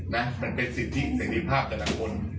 มันเป็นสิทธิเสร็จภาพแต่ละคน